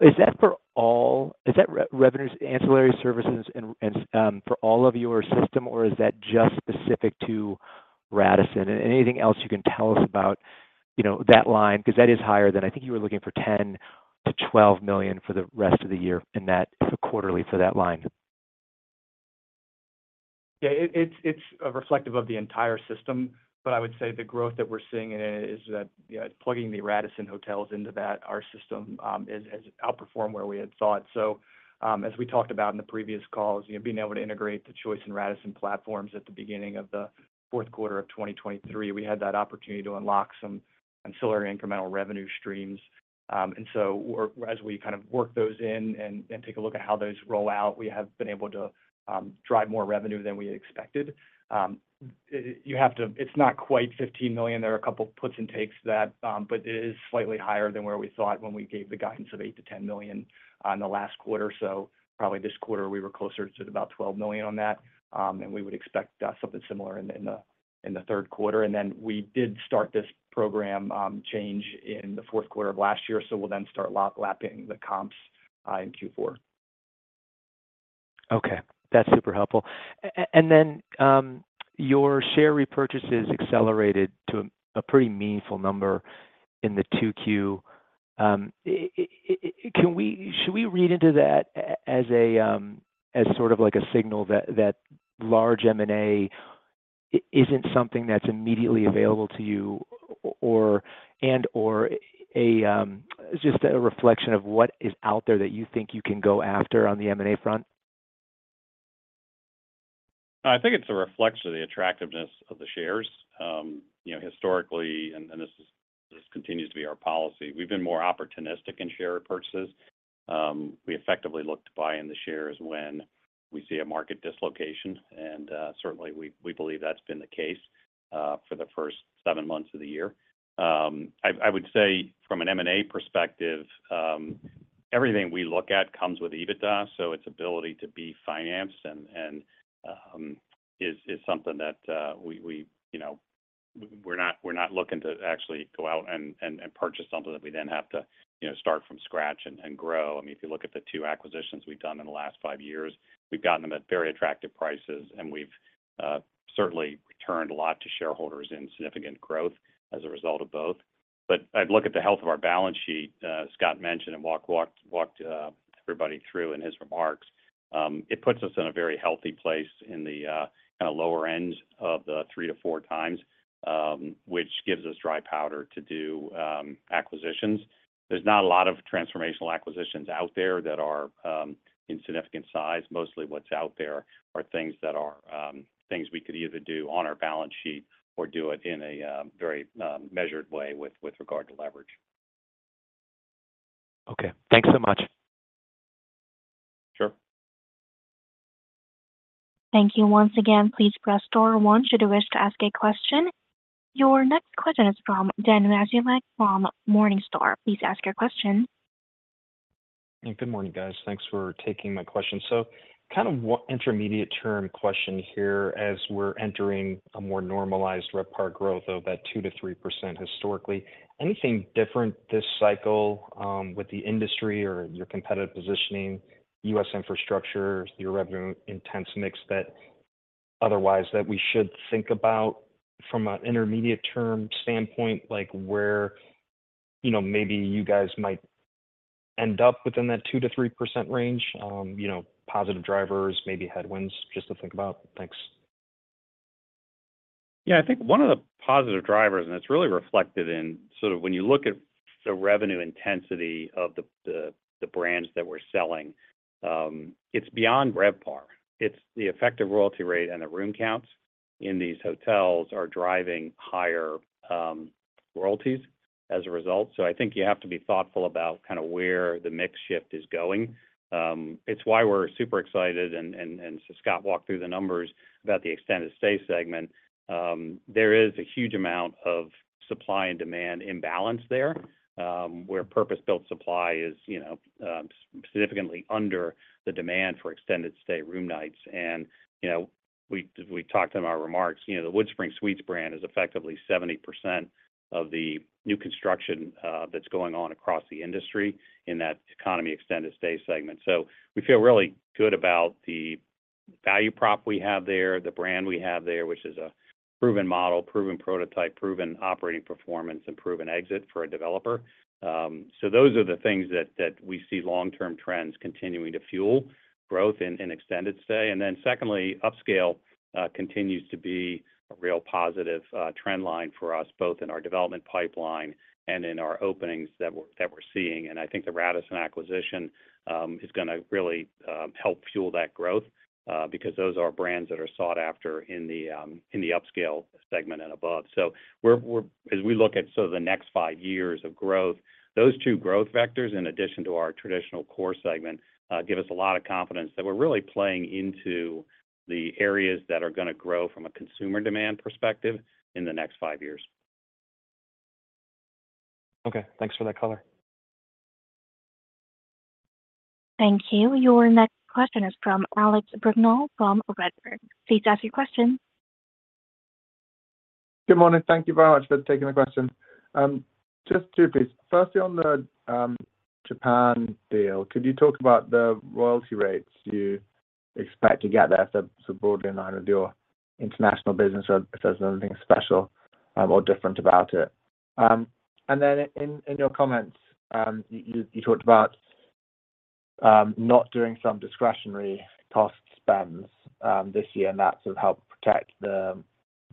is, is that for all is that revenues, ancillary services, and for all of your system, or is that just specific to Radisson? And anything else you can tell us about that line? Because that is higher than I think you were looking for $10 million-$12 million for the rest of the year and that quarterly for that line. Yeah. It's reflective of the entire system. But I would say the growth that we're seeing in it is that plugging the Radisson hotels into that, our system has outperformed where we had thought. So as we talked about in the previous calls, being able to integrate the Choice and Radisson platforms at the beginning of the fourth quarter of 2023, we had that opportunity to unlock some ancillary incremental revenue streams. And so as we kind of work those in and take a look at how those roll out, we have been able to drive more revenue than we expected. It's not quite $15 million. There are a couple of puts and takes to that, but it is slightly higher than where we thought when we gave the guidance of $8 million-$10 million in the last quarter. So probably this quarter, we were closer to about $12 million on that. And we would expect something similar in the third quarter. And then we did start this program change in the fourth quarter of last year. So we'll then start lapping the comps in Q4. Okay. That's super helpful. And then your share repurchases accelerated to a pretty meaningful number in the 2Q. Should we read into that as sort of like a signal that large M&A isn't something that's immediately available to you and/or just a reflection of what is out there that you think you can go after on the M&A front? I think it's a reflection of the attractiveness of the shares. Historically, and this continues to be our policy, we've been more opportunistic in share purchases. We effectively look to buy in the shares when we see a market dislocation. And certainly, we believe that's been the case for the first seven months of the year. I would say from an M&A perspective, everything we look at comes with EBITDA. So its ability to be financed is something that we're not looking to actually go out and purchase something that we then have to start from scratch and grow. I mean, if you look at the two acquisitions we've done in the last five years, we've gotten them at very attractive prices, and we've certainly returned a lot to shareholders in significant growth as a result of both. But I'd look at the health of our balance sheet. Scott mentioned and walked everybody through in his remarks. It puts us in a very healthy place in the kind of lower end of the three to 4x, which gives us dry powder to do acquisitions. There's not a lot of transformational acquisitions out there that are in significant size. Mostly what's out there are things that are things we could either do on our balance sheet or do it in a very measured way with regard to leverage. Okay. Thanks so much. Sure. Thank you once again. Please press star one should you wish to ask a question. Your next question is from Dan Wasiolek from Morningstar. Please ask your question. Good morning, guys. Thanks for taking my question. So kind of intermediate-term question here as we're entering a more normalized RevPAR growth of that 2%-3% historically. Anything different this cycle with the industry or your competitive positioning, U.S. infrastructure, your revenue-intense mix that otherwise that we should think about from an intermediate-term standpoint, like where maybe you guys might end up within that 2%-3% range? Positive drivers, maybe headwinds just to think about. Thanks. Yeah. I think one of the positive drivers, and it's really reflected in sort of when you look at the revenue intensity of the brands that we're selling, it's beyond RevPAR. It's the effective royalty rate and the room counts in these hotels are driving higher royalties as a result. So I think you have to be thoughtful about kind of where the mix shift is going. It's why we're super excited. And so Scott walked through the numbers about the extended stay segment. There is a huge amount of supply and demand imbalance there where purpose-built supply is significantly under the demand for extended stay room nights. And we talked in our remarks, the WoodSpring Suites brand is effectively 70% of the new construction that's going on across the industry in that economy extended stay segment. So we feel really good about the value prop we have there, the brand we have there, which is a proven model, proven prototype, proven operating performance, and proven exit for a developer. So those are the things that we see long-term trends continuing to fuel growth and extended stay. And then secondly, upscale continues to be a real positive trend line for us, both in our development pipeline and in our openings that we're seeing. I think the Radisson acquisition is going to really help fuel that growth because those are brands that are sought after in the upscale segment and above. As we look at sort of the next five years of growth, those two growth vectors, in addition to our traditional core segment, give us a lot of confidence that we're really playing into the areas that are going to grow from a consumer demand perspective in the next five years. Okay. Thanks for that color. Thank you. Your next question is from Alex Brignall from Redburn. Please ask your question. Good morning. Thank you very much for taking the question. Just two pieces. Firstly, on the Japan deal, could you talk about the royalty rates you expect to get there for broadly in line with your international business, if there's anything special or different about it? Then in your comments, you talked about not doing some discretionary cost spends this year, and that sort of helped protect the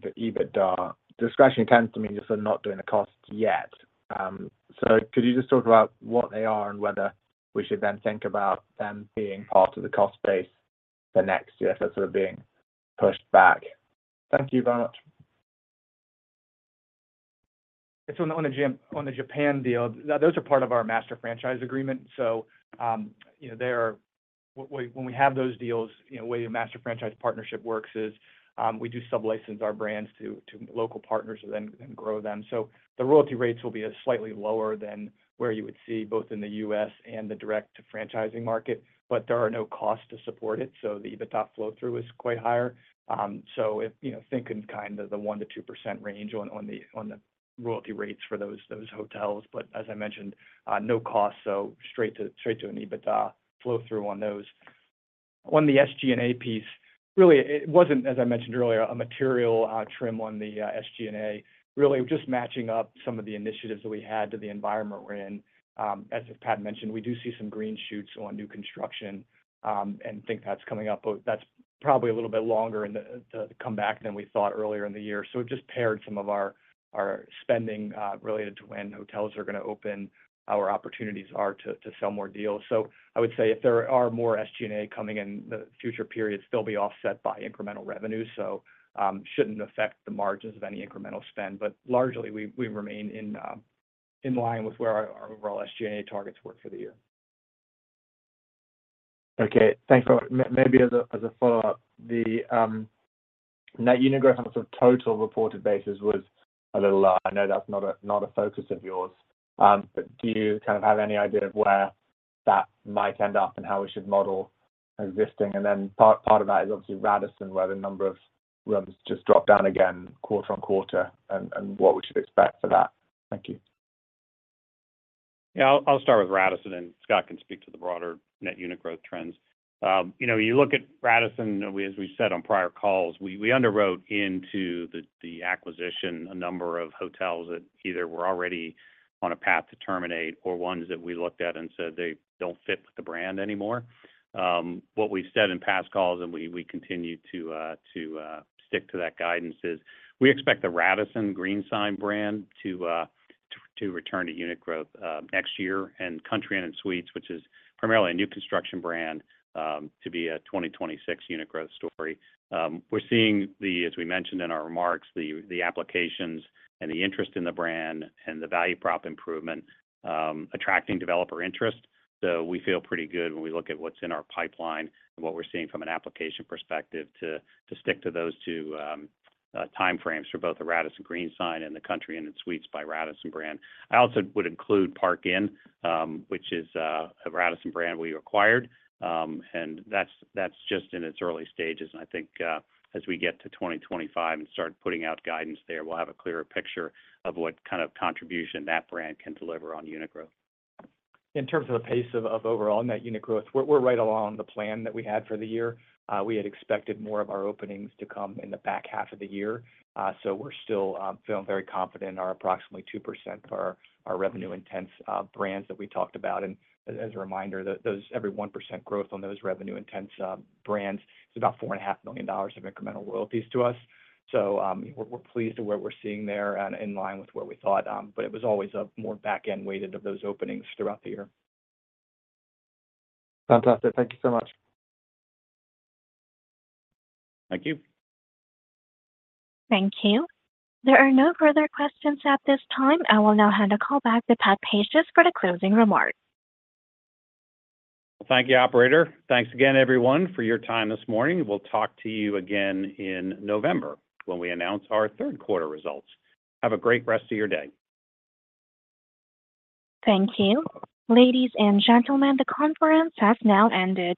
EBITDA. Discretionary tends to mean just sort of not doing the costs yet. Could you just talk about what they are and whether we should then think about them being part of the cost base for next year if they're sort of being pushed back? Thank you very much. On the Japan deal, those are part of our master franchise agreement. When we have those deals, the way the master franchise partnership works is we do sublicense our brands to local partners and then grow them. The royalty rates will be slightly lower than where you would see both in the U.S. and the direct franchising market. But there are no costs to support it. The EBITDA flow-through is quite higher. So think in kind of the 1%-2% range on the royalty rates for those hotels. But as I mentioned, no costs, so straight to an EBITDA flow-through on those. On the SG&A piece, really, it wasn't, as I mentioned earlier, a material trim on the SG&A. Really, just matching up some of the initiatives that we had to the environment we're in. As Pat mentioned, we do see some green shoots on new construction and think that's coming up. That's probably a little bit longer to come back than we thought earlier in the year. So we've just pared some of our spending related to when hotels are going to open, our opportunities are to sell more deals. So I would say if there are more SG&A coming in the future period, it'll be offset by incremental revenue. So it shouldn't affect the margins of any incremental spend. But largely, we remain in line with where our overall SG&A targets were for the year. Okay. Thanks. Maybe as a follow-up, the net unit growth on sort of total reported basis was a little lower. I know that's not a focus of yours. But do you kind of have any idea of where that might end up and how we should model existing? And then part of that is obviously Radisson, where the number of rooms just dropped down again quarter-over-quarter, and what we should expect for that. Thank you. Yeah. I'll start with Radisson, and Scott can speak to the broader net unit growth trends. You look at Radisson, as we've said on prior calls, we underwrote into the acquisition a number of hotels that either were already on a path to terminate or ones that we looked at and said they don't fit with the brand anymore. What we've said in past calls, and we continue to stick to that guidance, is we expect the Radisson, GreenSign brand to return to unit growth next year. And Country Inn & Suites, which is primarily a new construction brand, to be a 2026 unit growth story. We're seeing, as we mentioned in our remarks, the applications and the interest in the brand and the value prop improvement attracting developer interest. So we feel pretty good when we look at what's in our pipeline and what we're seeing from an application perspective to stick to those two timeframes for both the Radisson, GreenSign and the Country Inn & Suites by Radisson brand. I also would include Park Inn, which is a Radisson brand we acquired. That's just in its early stages. I think as we get to 2025 and start putting out guidance there, we'll have a clearer picture of what kind of contribution that brand can deliver on unit growth. In terms of the pace of overall net unit growth, we're right along the plan that we had for the year. We had expected more of our openings to come in the back half of the year. So we're still feeling very confident in our approximately 2% for our revenue-intensive brands that we talked about. As a reminder, every 1% growth on those revenue-intense brands is about $4.5 million of incremental royalties to us. We're pleased with what we're seeing there and in line with what we thought. It was always more back-end weighted of those openings throughout the year. Fantastic. Thank you so much. Thank you. Thank you. There are no further questions at this time. I will now hand the call back to Pat Pacious for the closing remarks. Thank you, operator. Thanks again, everyone, for your time this morning. We'll talk to you again in November when we announce our third quarter results. Have a great rest of your day. Thank you. Ladies and gentlemen, the conference has now ended.